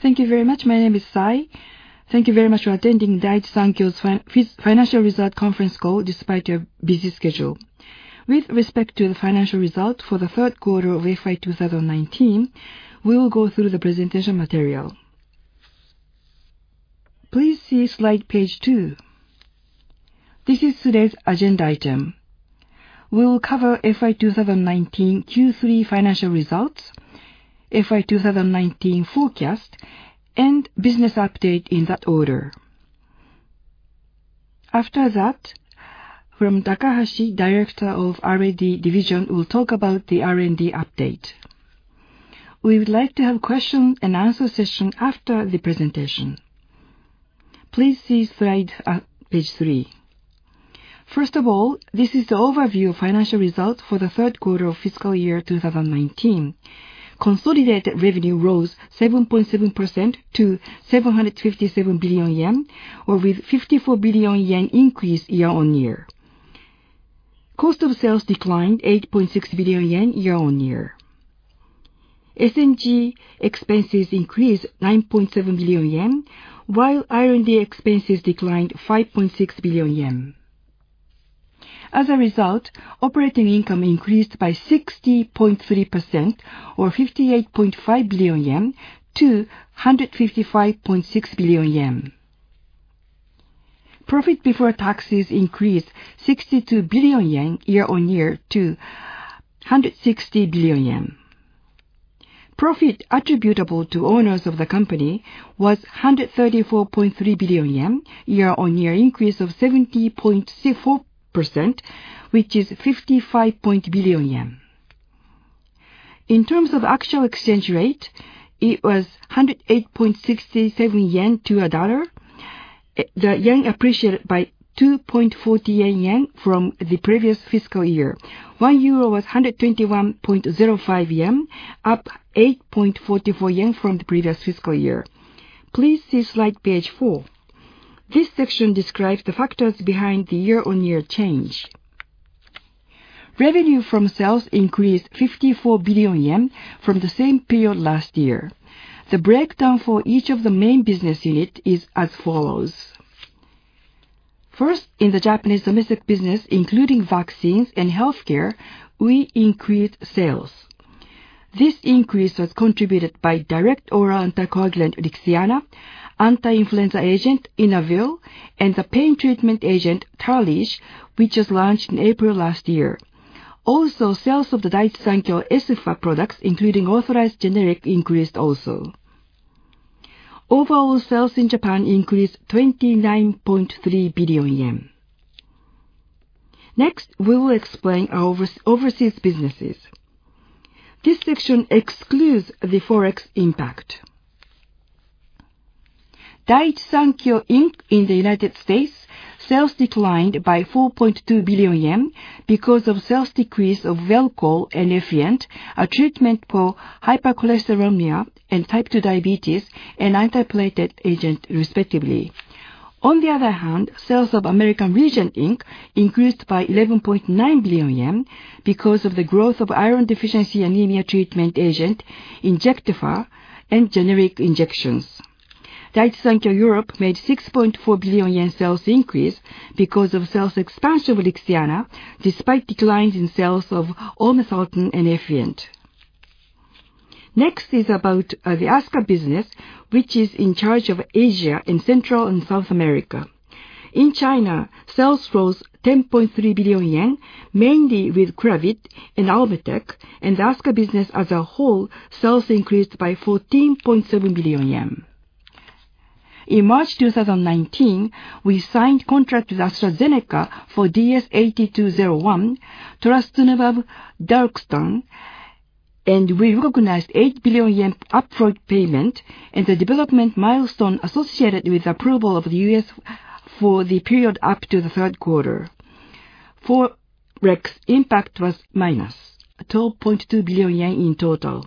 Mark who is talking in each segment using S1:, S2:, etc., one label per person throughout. S1: Thank you very much. My name is Sai. Thank you very much for attending Daiichi Sankyo's Financial Result Conference Call despite your busy schedule. With respect to the financial result for the third quarter of FY 2019, we will go through the presentation material. Please see slide page two. This is today's agenda item. We will cover FY 2019 Q3 financial results, FY 2019 forecast, and business update in that order. After that, from Takasaki, Director of R&D Division, will talk about the R&D update. We would like to have question-and-answer session after the presentation. Please see slide page three. First of all, this is the overview of financial results for the third quarter of fiscal year 2019. Consolidated revenue rose 7.7% to 757 billion yen, or with 54 billion yen increase year-on-year. Cost of sales declined 8.6 billion yen year-on-year. S&G expenses increased 9.7 billion yen, while R&D expenses declined 5.6 billion yen. As a result, operating income increased by 60.3% or 58.5 billion-155.6 billion yen. Profit before taxes increased 62 billion yen year-on-year to 160 billion yen. Profit attributable to owners of the company was 134.3 billion yen, year-on-year increase of 70.4%, which is 55 billion yen. In terms of actual exchange rate, it was 108.67 yen to a dollar. The yen appreciated by 2.48 yen from the previous fiscal year. One EUR was 121.05 yen, up 8.44 yen from the previous fiscal year. Please see slide page four. This section describes the factors behind the year-on-year change. Revenue from sales increased 54 billion yen from the same period last year. The breakdown for each of the main business unit is as follows. In the Japanese domestic business, including vaccines and healthcare, we increased sales. This increase was contributed by direct oral anticoagulant Lixiana, anti-influenza agent, Inavir, and the pain treatment agent, Tarlige, which was launched in April last year. Sales of the Daiichi Sankyo Espha products, including authorized generic, increased also. Overall sales in Japan increased 29.3 billion yen. We will explain our overseas businesses. This section excludes the ForEx impact. Daiichi Sankyo, Inc. in the U.S., sales declined by 4.2 billion yen because of sales decrease of Welchol and Effient, a treatment for hypercholesterolemia and Type 2 diabetes, and anti-platelet agent respectively. Sales of American Regent, Inc. increased by 11.9 billion yen because of the growth of iron deficiency anemia treatment agent, Injectafer, and generic injections. Daiichi Sankyo Europe made 6.4 billion yen sales increase because of sales expansion of Lixiana, despite declines in sales of olmesartan and Effient. Next is about the ASCA business, which is in charge of Asia and Central and South America. In China, sales rose 10.3 billion yen, mainly with Cravit and Albatech, and the ASCA business as a whole, sales increased by 14.7 billion yen. In March 2019, we signed contract with AstraZeneca for DS-8201, trastuzumab deruxtecan, and we recognized 8 billion yen upfront payment and the development milestone associated with approval of the U.S. for the period up to the third quarter. ForEx impact was minus 12.2 billion yen in total.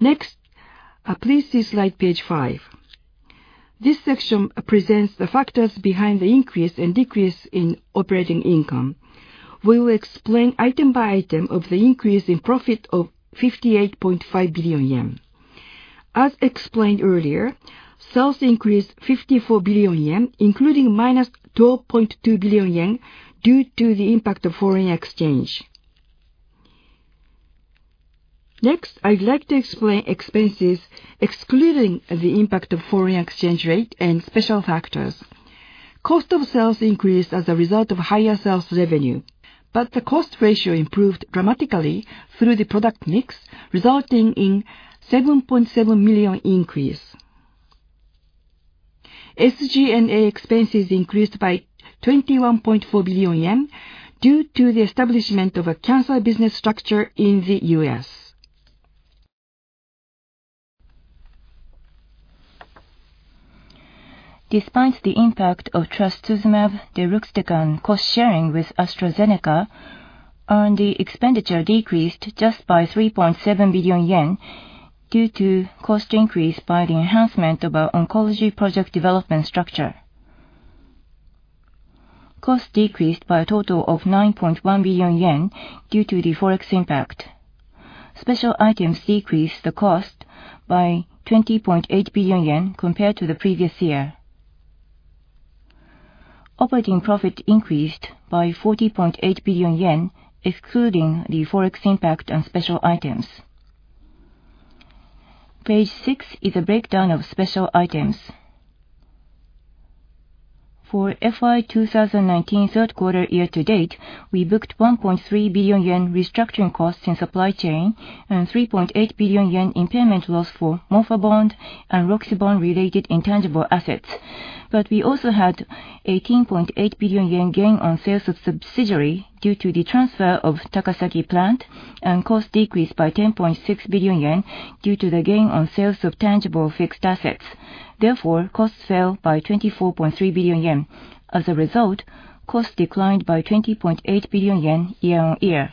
S1: Next, please see slide page five. This section presents the factors behind the increase and decrease in operating income. We will explain item by item of the increase in profit of 58.5 billion yen. As explained earlier, sales increased 54 billion yen, including minus 12.2 billion yen due to the impact of foreign exchange. Next, I'd like to explain expenses excluding the impact of foreign exchange rate and special factors. Cost of sales increased as a result of higher sales revenue, but the cost ratio improved dramatically through the product mix, resulting in 7.7 million increase. SG&A expenses increased by 21.4 billion yen due to the establishment of a cancer business structure in the U.S. Despite the impact of trastuzumab deruxtecan cost sharing with AstraZeneca, R&D expenditure decreased just by 3.7 billion yen due to cost increase by the enhancement of our oncology project development structure. Cost decreased by a total of 9.1 billion yen due to the Forex impact. Special items decreased the cost by 20.8 billion yen compared to the previous year. Operating profit increased by 40.8 billion yen, excluding the Forex impact on special items. page six is a breakdown of special items. For FY 2019 third quarter year-to-date, we booked 1.3 billion yen restructuring costs in supply chain and 3.8 billion yen impairment loss for MorphaBond and RoxyBond related intangible assets. We also had 18.8 billion yen gain on sales of subsidiary due to the transfer of Takasaki plant and cost decreased by 10.6 billion yen due to the gain on sales of tangible fixed assets. Costs fell by 24.3 billion yen. Costs declined by 20.8 billion yen year-on-year.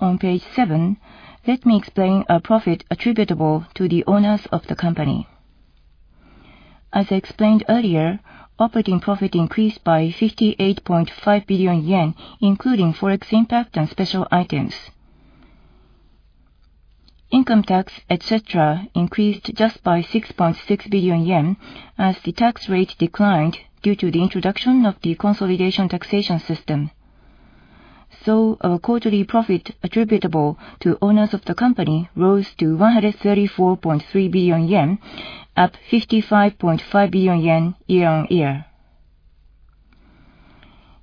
S1: On page seven, let me explain our profit attributable to the owners of the company. As I explained earlier, operating profit increased by 58.5 billion yen, including ForEx impact and special items. Income tax, et cetera, increased just by 6.6 billion yen as the tax rate declined due to the introduction of the tax consolidation system. Our quarterly profit attributable to owners of the company rose to 134.3 billion yen, up 55.5 billion yen year-on-year.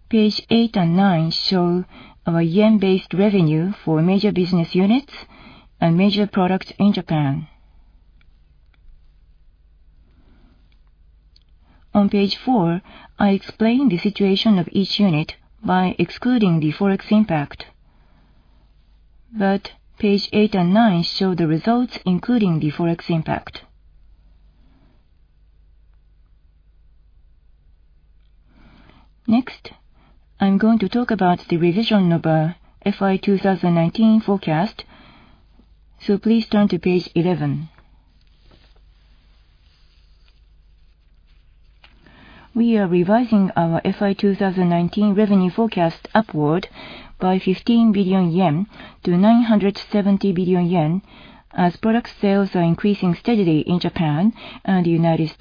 S1: Page eight and nine show our JPY-based revenue for major business units and major products in Japan. On page four, I explained the situation of each unit by excluding the ForEx impact, but page eight and nine show the results, including the ForEx impact. Next, I'm going to talk about the revision of our FY 2019 forecast, so please turn to page 11. We are revising our FY 2019 revenue forecast upward by 15 billion-970 billion yen as product sales are increasing steadily in Japan and the U.S.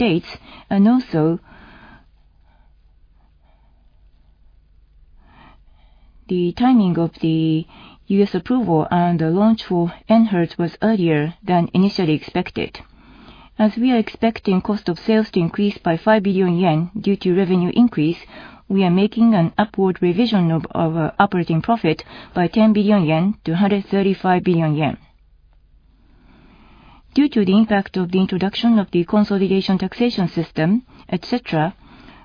S1: The timing of the U.S. approval and the launch for ENHERTU was earlier than initially expected. As we are expecting cost of sales to increase by 5 billion yen due to revenue increase, we are making an upward revision of our operating profit by 10 billion-135 billion yen. Due to the impact of the introduction of the tax consolidation system, et cetera,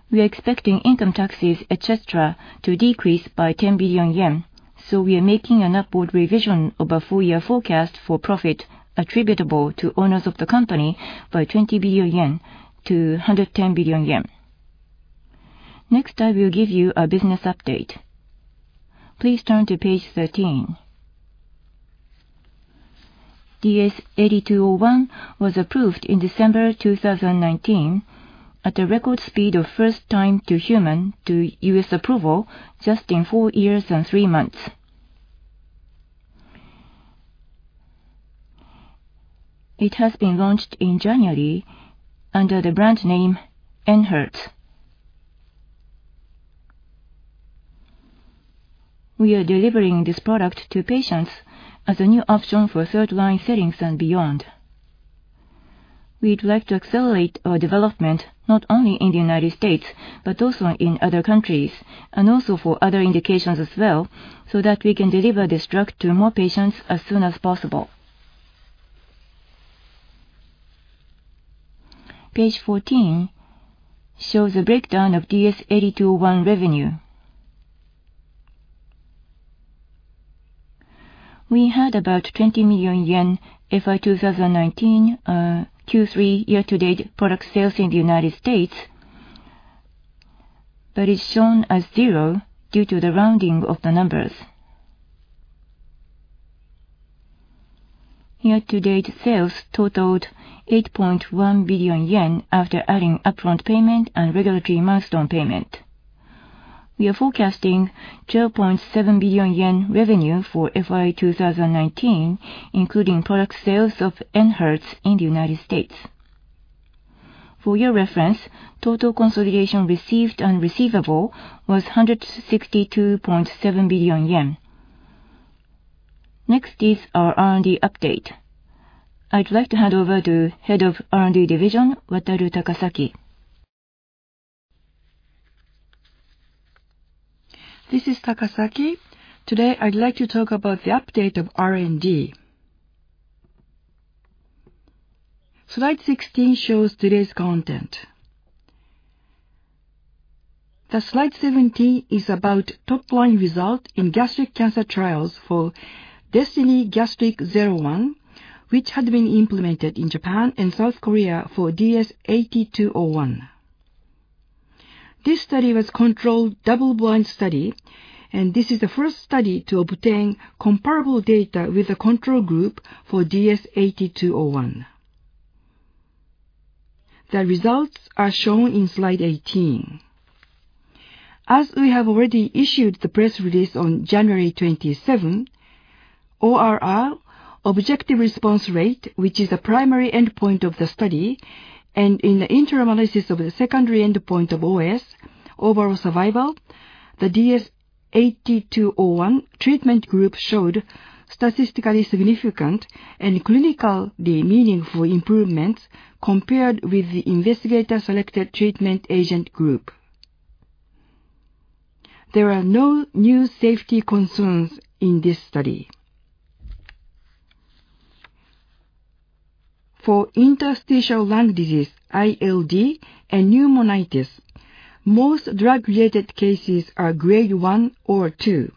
S1: we are expecting income taxes, et cetera, to decrease by 10 billion yen. We are making an upward revision of our full year forecast for profit attributable to owners of the company by 20 billion-110 billion yen. Next, I will give you a business update. Please turn to page 13. DS-8201 was approved in December 2019 at the record speed of first time to human to U.S. approval just in four years and three months. It has been launched in January under the brand name ENHERTU. We are delivering this product to patients as a new option for third-line settings and beyond. We'd like to accelerate our development not only in the United States but also in other countries, and also for other indications as well, so that we can deliver this drug to more patients as soon as possible. Page 14 shows a breakdown of DS-8201 revenue. We had about 20 million yen FY 2019, Q3 year-to-date product sales in the U.S., but it's shown as zero due to the rounding of the numbers. Year-to-date sales totaled 8.1 billion yen after adding upfront payment and regulatory milestone payment. We are forecasting 12.7 billion yen revenue for FY 2019, including product sales of ENHERTU in the U.S. For your reference, total consolidation received and receivable was 162.7 billion yen. Next is our R&D update. I'd like to hand over to Head of R&D Division, Wataru Takasaki.
S2: This is Takasaki. Today I'd like to talk about the update of R&D. Slide 16 shows today's content. Slide 17 is about top line result in gastric cancer trials for DESTINY-Gastric01, which had been implemented in Japan and South Korea for DS-8201. This study was controlled double-blind study, and this is the first study to obtain comparable data with a control group for DS-8201. The results are shown in slide 18. As we have already issued the press release on January 27, ORR, objective response rate, which is the primary endpoint of the study, and in the interim analysis of the secondary endpoint of OS, overall survival, the DS-8201 treatment group showed statistically significant and clinically meaningful improvements compared with the investigator selected treatment agent group. There are no new safety concerns in this study. For interstitial lung disease, ILD, and pneumonitis, most drug-related cases are Grade 1 or 2.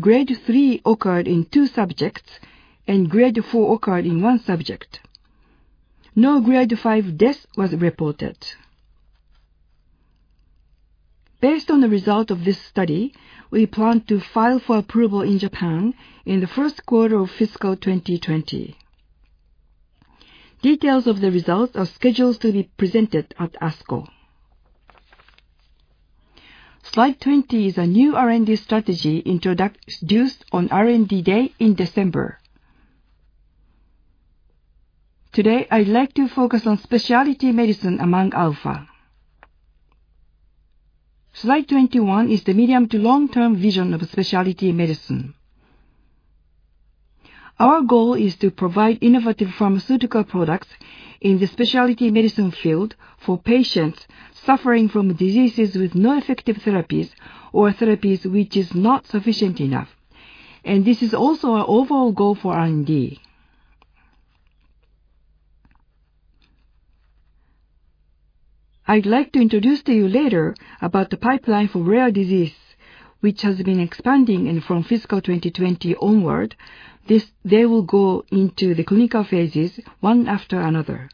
S2: Grade 3 occurred in two subjects, Grade 4 occurred in one subject. No Grade 5 death was reported. Based on the result of this study, we plan to file for approval in Japan in the first quarter of fiscal 2020. Details of the results are scheduled to be presented at ASCO. Slide 20 is a new R&D strategy introduced on R&D Day in December. Today, I'd like to focus on specialty medicine among Alpha. Slide 21 is the medium to long-term vision of specialty medicine. Our goal is to provide innovative pharmaceutical products in the specialty medicine field for patients suffering from diseases with no effective therapies or therapies which is not sufficient enough. This is also our overall goal for R&D. I'd like to introduce to you later about the pipeline for rare disease, which has been expanding. From FY 2020 onward, they will go into the clinical phases one after another.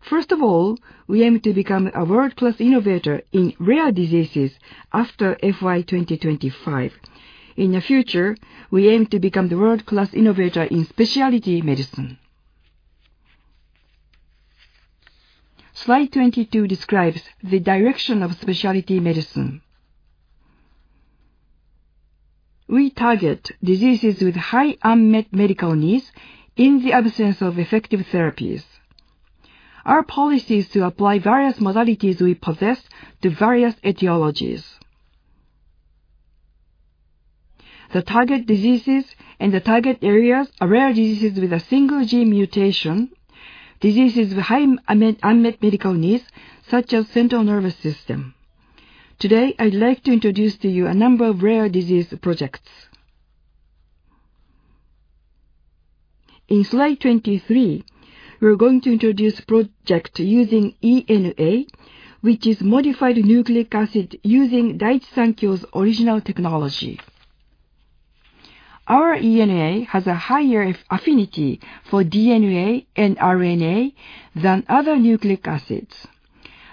S2: First of all, we aim to become a world-class innovator in rare diseases after FY 2025. In the future, we aim to become the world-class innovator in specialty medicine. Slide 22 describes the direction of specialty medicine. We target diseases with high unmet medical needs in the absence of effective therapies. Our policy is to apply various modalities we possess to various etiologies. The target diseases and the target areas are rare diseases with a single gene mutation, diseases with high unmet medical needs such as central nervous system. Today, I'd like to introduce to you a number of rare disease projects. In slide 23, we're going to introduce project using ENA, which is modified nucleic acid using Daiichi Sankyo's original technology. Our ENA has a higher affinity for DNA and RNA than other nucleic acids.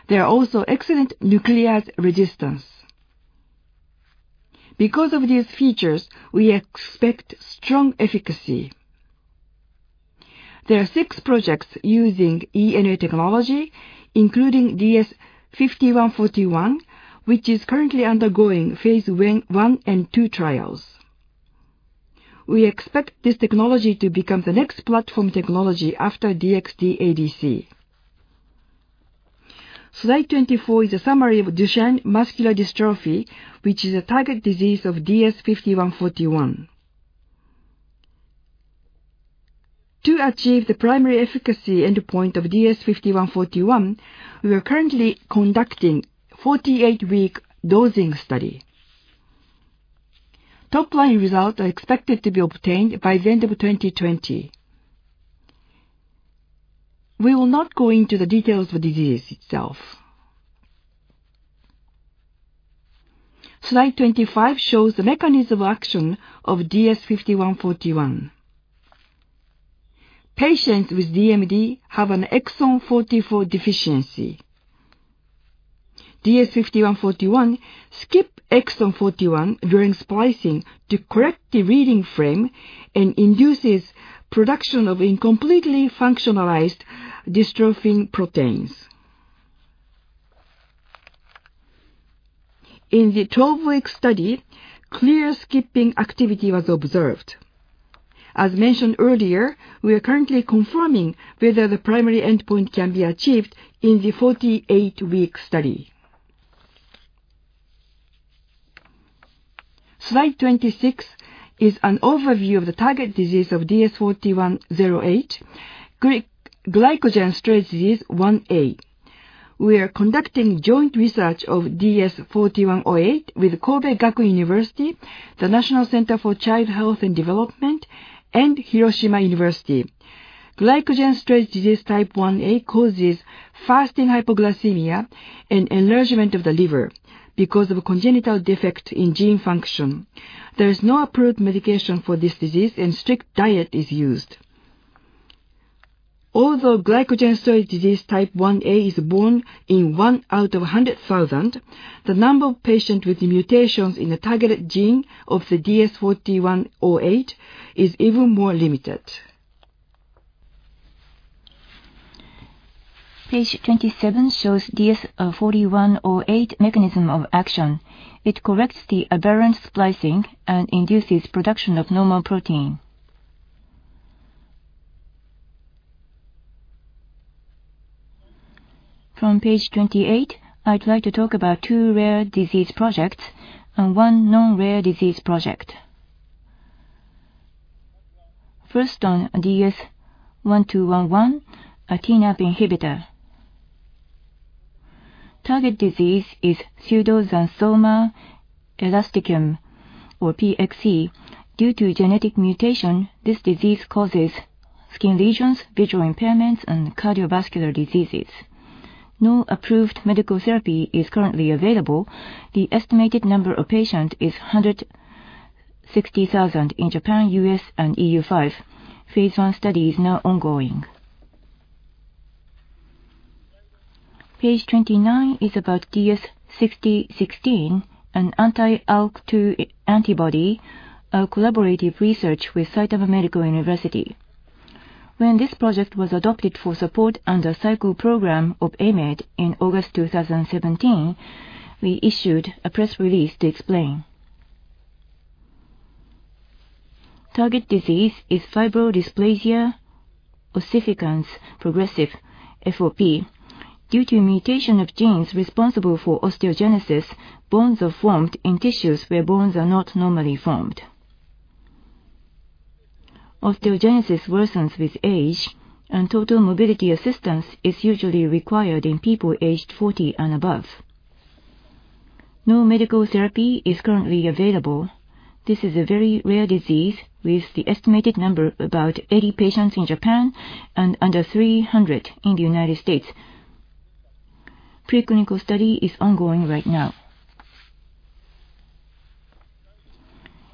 S2: There are also excellent nuclease resistance. Because of these features, we expect strong efficacy. There are six projects using ENA technology, including DS-5141, which is currently undergoing phase I and II trials. We expect this technology to become the next platform technology after DXd ADC. Slide 24 is a summary of Duchenne muscular dystrophy, which is a target disease of DS-5141. To achieve the primary efficacy endpoint of DS-5141, we are currently conducting 48-week dosing study. Top line results are expected to be obtained by the end of 2020. We will not go into the details of the disease itself. Slide 25 shows the mechanism of action of DS-5141. Patients with DMD have an exon 44 deficiency. DS-5141 skip exon 41 during splicing to correct the reading frame and induces production of incompletely functionalized dystrophin proteins. In the 12-week study, clear skipping activity was observed. As mentioned earlier, we are currently confirming whether the primary endpoint can be achieved in the 48-week study. Slide 26 is an overview of the target disease of DS-4108, glycogen storage disease 1a. We are conducting joint research of DS-4108 with Kobe Gakuin University, the National Center for Child Health and Development, and Hiroshima University. Glycogen storage disease type 1a causes fasting hypoglycemia and enlargement of the liver because of a congenital defect in gene function. There is no approved medication for this disease and strict diet is used. Although glycogen storage disease type Ia is born in one out of 100,000, the number of patients with mutations in the targeted gene of the DS-4108 is even more limited. Page 27 shows DS-4108 mechanism of action. It corrects the aberrant splicing and induces production of normal protein. From page 28, I'd like to talk about two rare disease projects and one non-rare disease project. First on, DS-1211, a TNAP inhibitor. Target disease is pseudoxanthoma elasticum, or PXE. Due to genetic mutation, this disease causes skin lesions, visual impairments, and cardiovascular diseases. No approved medical therapy is currently available. The estimated number of patients is 160,000 in Japan, U.S., and EU-5. Phase I study is now ongoing. Page 29 is about DS-5016, an anti-ALK2 antibody, a collaborative research with Saitama Medical University. When this project was adopted for support under CiCLE Program of AMED in August 2017, we issued a press release to explain. Target disease is fibrodysplasia ossificans progressiva, FOP. Due to mutation of genes responsible for osteogenesis, bones are formed in tissues where bones are not normally formed. Osteogenesis worsens with age, and total mobility assistance is usually required in people aged 40 and above. No medical therapy is currently available. This is a very rare disease, with the estimated number about 80 patients in Japan and under 300 in the U.S. Preclinical study is ongoing right now.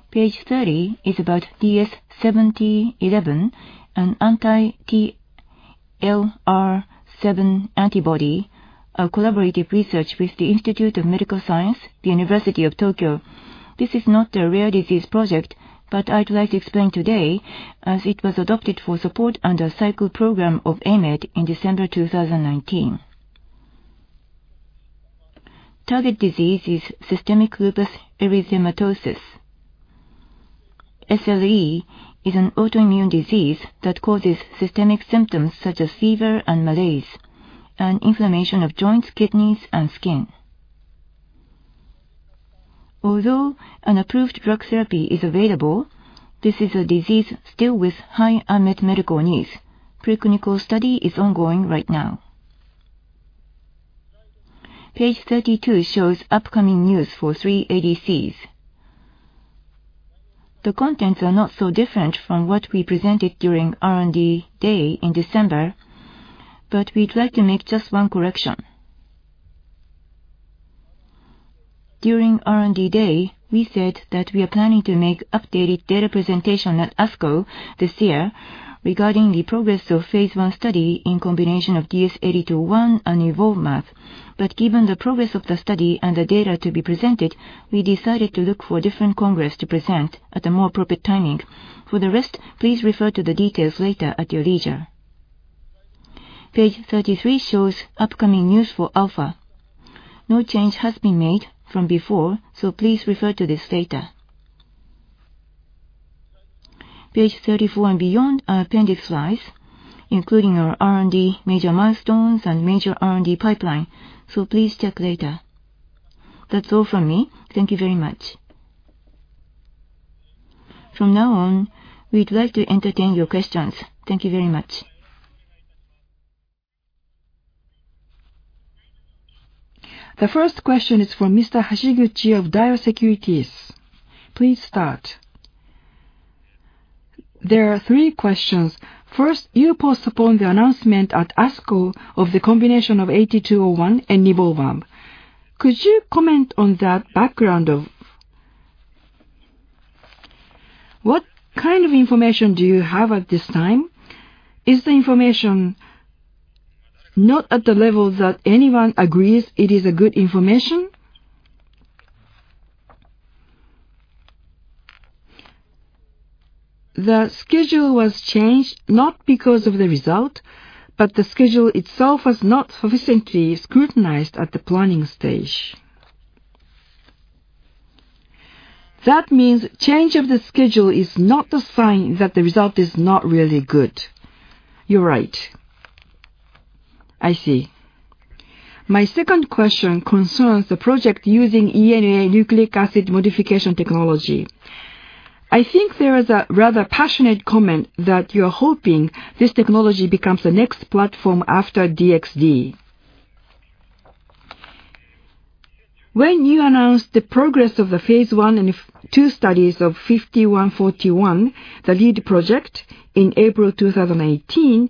S2: Page 30 is about DS-7011, an anti-TLR7 antibody, a collaborative research with The Institute of Medical Science, The University of Tokyo. This is not a rare disease project, but I'd like to explain today as it was adopted for support under CiCLE Program of AMED in December 2019. Target disease is systemic lupus erythematosus. SLE is an autoimmune disease that causes systemic symptoms such as fever and malaise, and inflammation of joints, kidneys, and skin. Although an approved drug therapy is available, this is a disease still with high unmet medical needs. Preclinical study is ongoing right now. Page 32 shows upcoming news for three ADCs. The contents are not so different from what we presented during R&D Day in December, but we'd like to make just one correction. During R&D Day, we said that we are planning to make updated data presentation at ASCO this year regarding the progress of phase I study in combination of DS-8201 and nivolumab. Given the progress of the study and the data to be presented, we decided to look for a different congress to present at a more appropriate timing. For the rest, please refer to the details later at your leisure. Page 33 shows upcoming news for Alpha. No change has been made from before, please refer to this data. Page 34 and beyond are appendix slides, including our R&D major milestones and major R&D pipeline, please check later. That's all from me. Thank you very much.
S1: From now on, we'd like to entertain your questions. Thank you very much. The first question is from Mr. Hashiguchi of Daiwa Securities. Please start.
S3: There are three questions. First, you postponed the announcement at ASCO of the combination of DS-8201 and nivolumab. Could you comment on the background of? What kind of information do you have at this time? Is the information not at the level that anyone agrees it is a good information?
S2: The schedule was changed not because of the result, but the schedule itself was not sufficiently scrutinized at the planning stage. That means change of the schedule is not the sign that the result is not really good.
S3: You're right. I see. My second question concerns the project using ENA nucleic acid modification technology. I think there is a rather passionate comment that you're hoping this technology becomes the next platform after DXd. When you announced the progress of the phase I and II studies of DS-5141, the lead project, in April 2018,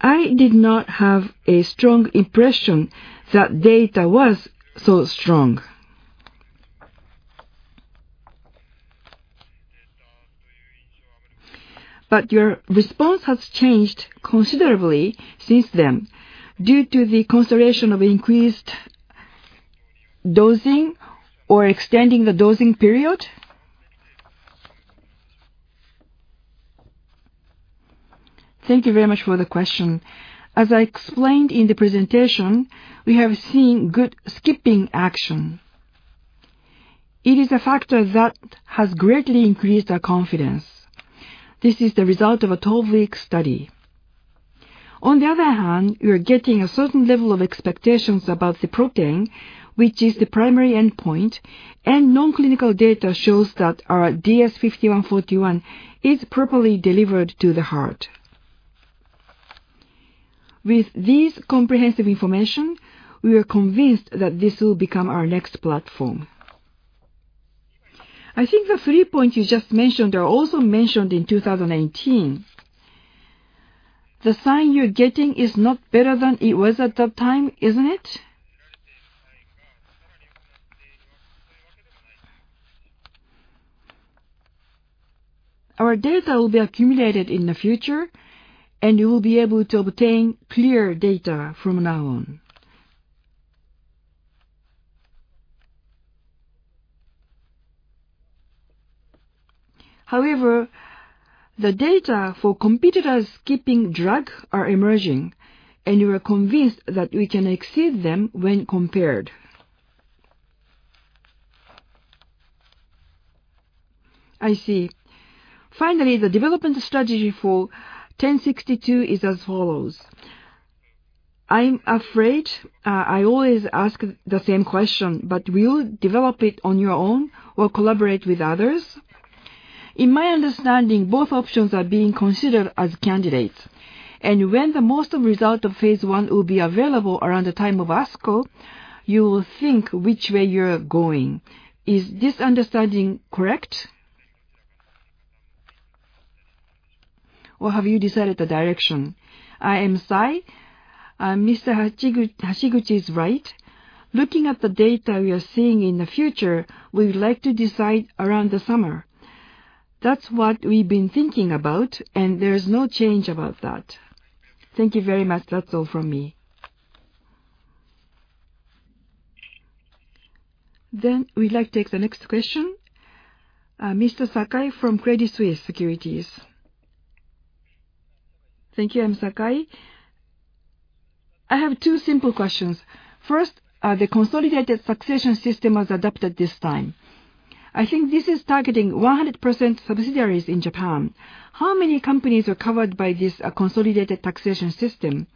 S3: I did not have a strong impression that data was so strong. Your response has changed considerably since then due to the consideration of increased dosing or extending the dosing period.
S2: Thank you very much for the question. As I explained in the presentation, we have seen good skipping action. It is a factor that has greatly increased our confidence. This is the result of a 12-week study. On the other hand, we are getting a certain level of expectations about the protein, which is the primary endpoint, and non-clinical data shows that our DS-5141 is properly delivered to the heart. With this comprehensive information, we are convinced that this will become our next platform.
S3: I think the three points you just mentioned are also mentioned in 2019. The sign you're getting is not better than it was at that time, isn't it?
S2: Our data will be accumulated in the future, and you will be able to obtain clear data from now on. However, the data for competitors keeping drugs are emerging, and we are convinced that we can exceed them when compared.
S3: I see. Finally, the development strategy for 1062 is as follows. I'm afraid I always ask the same question, but will you develop it on your own or collaborate with others? In my understanding, both options are being considered as candidates. When the most result of phase I will be available around the time of ASCO, you will think which way you're going. Is this understanding correct? Have you decided the direction?
S1: I am sorry. Mr. Hashiguchi is right. Looking at the data we are seeing in the future, we would like to decide around the summer. That's what we've been thinking about, and there is no change about that.
S3: Thank you very much. That's all from me.
S1: We'd like to take the next question. Mr. Sakai from Credit Suisse Securities.
S4: Thank you. I'm Sakai. I have two simple questions. First, the consolidated taxation system was adopted this time. I think this is targeting 100% subsidiaries in Japan. How many companies are covered by this consolidated taxation system?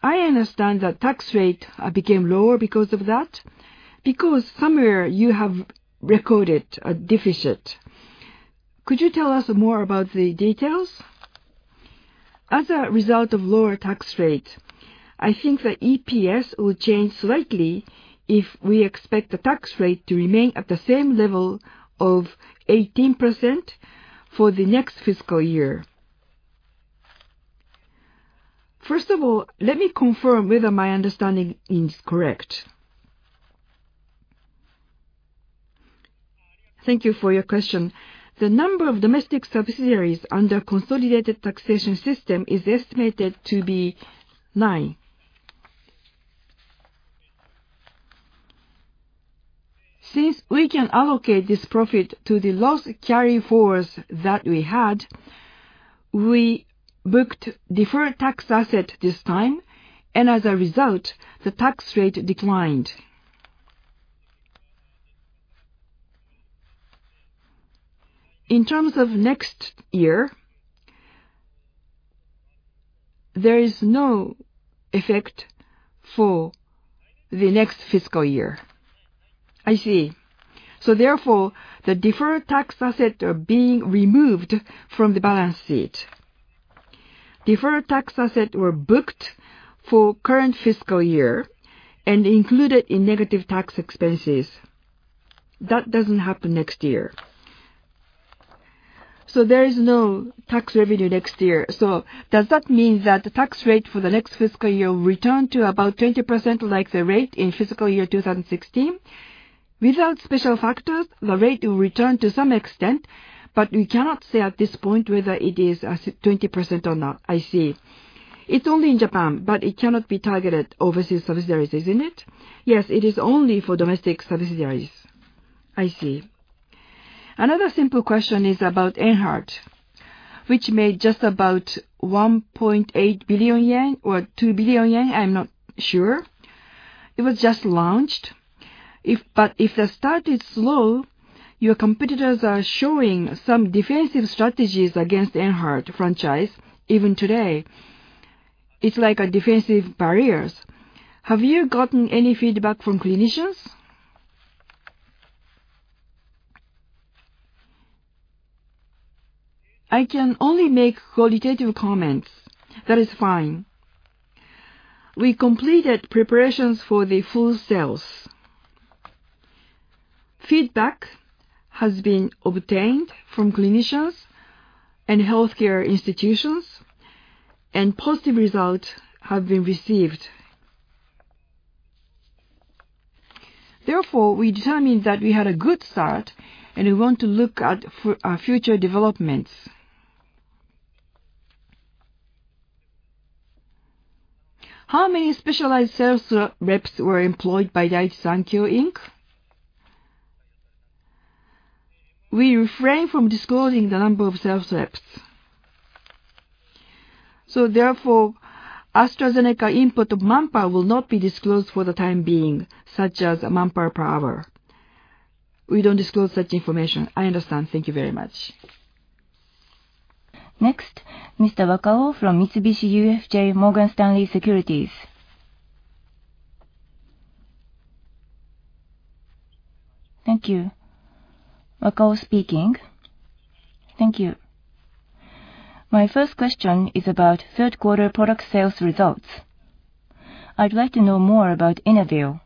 S4: I understand that tax rate became lower because of that, because somewhere you have recorded a deficit. Could you tell us more about the details? As a result of lower tax rates, I think the EPS will change slightly if we expect the tax rate to remain at the same level of 18% for the next fiscal year. First of all, let me confirm whether my understanding is correct.
S1: Thank you for your question. The number of domestic subsidiaries under consolidated taxation system is estimated to be nine. Since we can allocate this profit to the loss carryforwards that we had, we booked deferred tax asset this time and as a result, the tax rate declined. In terms of next year, there is no effect for the next fiscal year.
S4: I see. Therefore, the deferred tax asset are being removed from the balance sheet. Deferred tax asset were booked for current fiscal year and included in negative tax expenses. That doesn't happen next year. There is no tax revenue next year. Does that mean that the tax rate for the next fiscal year will return to about 20% like the rate in fiscal year 2016?
S1: Without special factors, the rate will return to some extent, but we cannot say at this point whether it is 20% or not. I see.
S4: It's only in Japan, but it cannot be targeted overseas subsidiaries, isn't it?
S1: Yes, it is only for domestic subsidiaries.
S4: I see. Another simple question is about ENHERTU, which made just about 1.8 billion yen or 2 billion yen. I'm not sure. It was just launched. If the start is slow, your competitors are showing some defensive strategies against ENHERTU franchise even today. It's like defensive barriers. Have you gotten any feedback from clinicians?
S1: I can only make qualitative comments.
S4: That is fine.
S1: We completed preparations for the full sales. Feedback has been obtained from clinicians and healthcare institutions, and positive results have been received. Therefore, we determined that we had a good start, and we want to look at our future developments.
S4: How many specialized sales reps were employed by Daiichi Sankyo, Inc.?
S1: We refrain from disclosing the number of sales reps. Therefore, AstraZeneca input of manpower will not be disclosed for the time being, such as manpower per hour. We don't disclose such information.
S4: I understand. Thank you very much.
S1: Next, Mr. Wakao from Mitsubishi UFJ Morgan Stanley Securities.
S5: Thank you. Wakao speaking. Thank you. My first question is about third quarter product sales results. I'd like to know more about Inavir.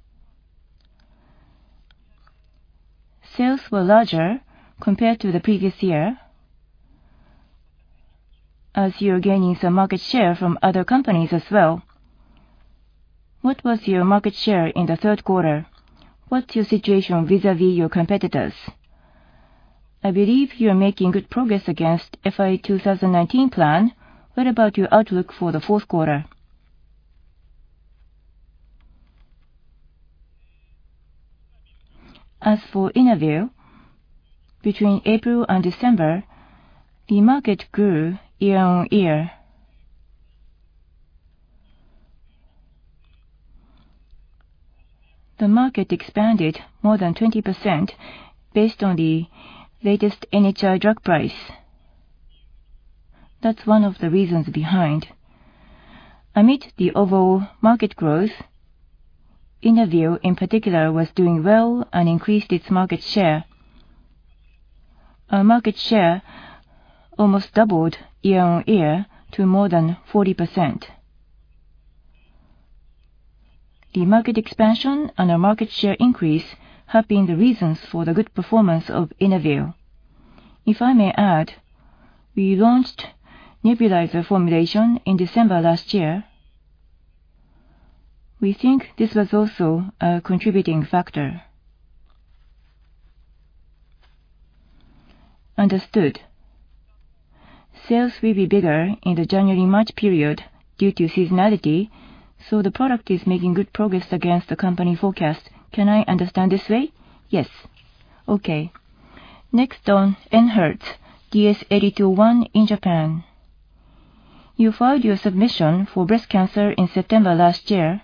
S5: Sales were larger compared to the previous year, as you're gaining some market share from other companies as well. What was your market share in the third quarter? What's your situation vis-à-vis your competitors? I believe you're making good progress against FY 2019 plan. What about your outlook for the fourth quarter?
S1: For Inavir, between April and December, the market grew year-on-year. The market expanded more than 20% based on the latest NHI drug price. That's one of the reasons behind. Amid the overall market growth, Inavir in particular, was doing well and increased its market share. Our market share almost doubled year-on-year to more than 40%. The market expansion and our market share increase have been the reasons for the good performance of Inavir.
S2: If I may add, we launched nebulizer formulation in December last year. We think this was also a contributing factor.
S5: Understood. Sales will be bigger in the January-March period due to seasonality, so the product is making good progress against the company forecast. Can I understand this way?
S2: Yes.
S5: Okay. Next on ENHERTU DS-8201 in Japan. You filed your submission for breast cancer in September last year.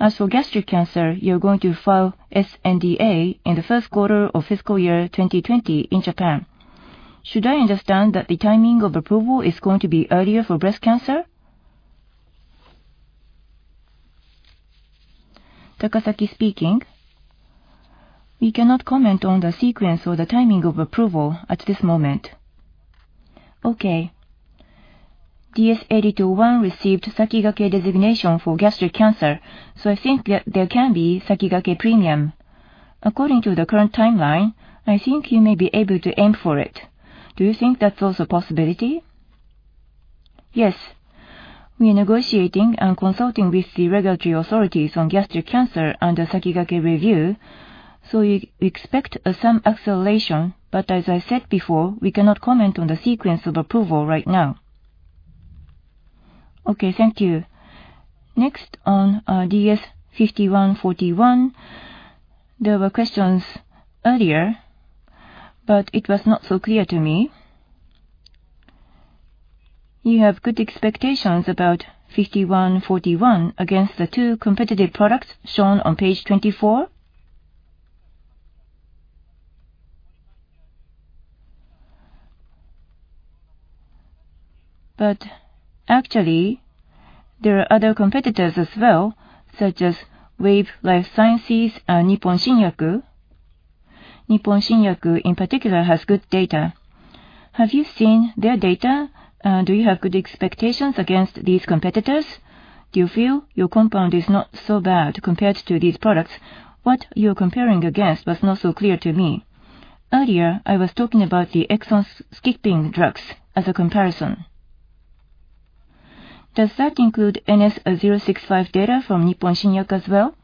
S5: As for gastric cancer, you're going to file sNDA in the first quarter of fiscal year 2020 in Japan. Should I understand that the timing of approval is going to be earlier for breast cancer?
S2: Takasaki speaking. We cannot comment on the sequence or the timing of approval at this moment.
S5: Okay. DS-8201 received Sakigake designation for gastric cancer, I think there can be Sakigake Premium. According to the current timeline, I think you may be able to aim for it. Do you think that's also a possibility?
S2: Yes. We are negotiating and consulting with the regulatory authorities on gastric cancer and the Sakigake review. We expect some acceleration, but as I said before, we cannot comment on the sequence of approval right now.
S5: Okay. Thank you. Next, on DS-5141. There were questions earlier, but it was not so clear to me. You have good expectations about DS-5141 against the two competitive products shown on page 24. But actually, there are other competitors as well, such as Wave Life Sciences and Nippon Shinyaku. Nippon Shinyaku in particular has good data. Have you seen their data? Do you have good expectations against these competitors? Do you feel your compound is not so bad compared to these products?
S2: What you're comparing against was not so clear to me.
S5: Earlier, I was talking about the exon skipping drugs as a comparison. Does that include NS-065 data from Nippon Shinyaku as well?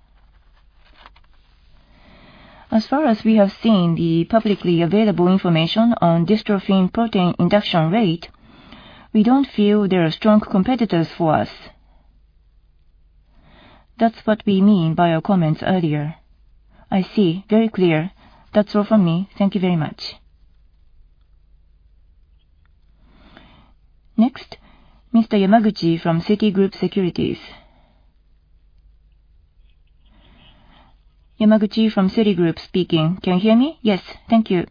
S2: As far as we have seen the publicly available information on dystrophin protein induction rate, we don't feel they are strong competitors for us. That's what we mean by our comments earlier.
S5: I see. Very clear. That's all from me. Thank you very much.
S1: Next, Mr. Yamaguchi from Citigroup Securities.
S6: Yamaguchi from Citigroup speaking. Can you hear me?
S2: Yes.
S6: Thank you.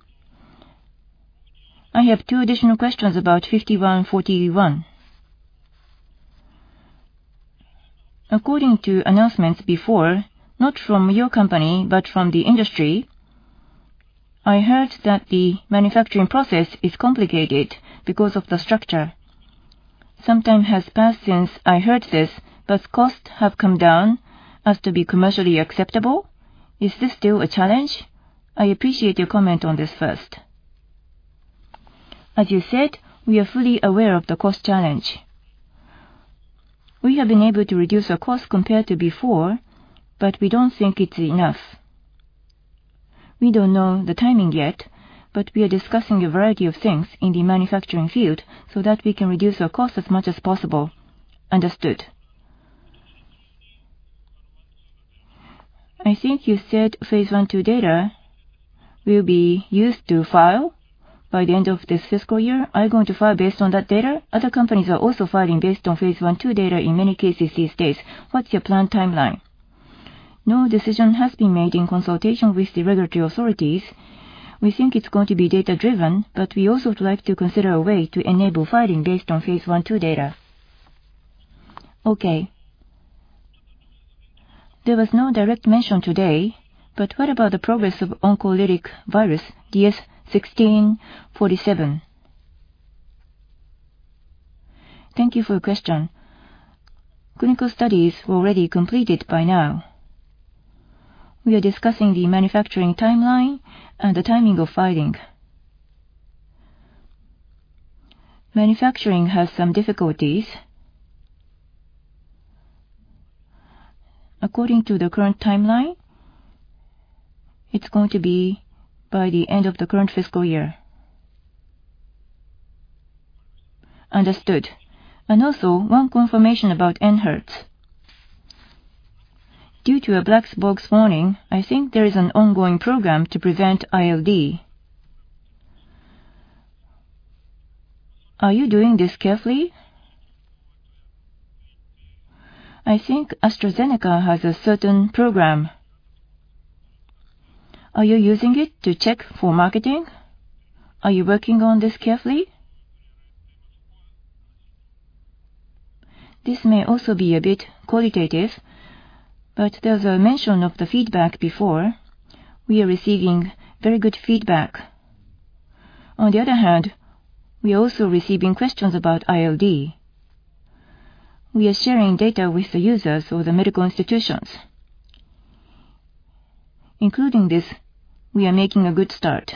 S6: I have two additional questions about DS-5141. According to announcements before, not from your company but from the industry, I heard that the manufacturing process is complicated because of the structure. Some time has passed since I heard this, but costs have come down as to be commercially acceptable. Is this still a challenge? I appreciate your comment on this first.
S2: As you said, we are fully aware of the cost challenge. We have been able to reduce our cost compared to before, but we don't think it's enough. We don't know the timing yet, but we are discussing a variety of things in the manufacturing field so that we can reduce our cost as much as possible.
S6: Understood. I think you said phase I/II data will be used to file by the end of this fiscal year. Are you going to file based on that data? Other companies are also filing based on phase I/II data in many cases these days. What's your planned timeline?
S2: No decision has been made in consultation with the regulatory authorities. We think it's going to be data-driven, but we also would like to consider a way to enable filing based on Phase I/II data.
S6: Okay. There was no direct mention today, but what about the progress of oncolytic virus DS-1647?
S2: Thank you for your question. Clinical studies were already completed by now. We are discussing the manufacturing timeline and the timing of filing. Manufacturing has some difficulties. According to the current timeline, it's going to be by the end of the current fiscal year.
S6: Understood. Also, one confirmation about ENHERTU. Due to a black box warning, I think there is an ongoing program to prevent ILD. Are you doing this carefully? I think AstraZeneca has a certain program. Are you using it to check for marketing? Are you working on this carefully?
S2: This may also be a bit qualitative, but there was a mention of the feedback before. We are receiving very good feedback. We are also receiving questions about ILD. We are sharing data with the users or the medical institutions. Including this, we are making a good start.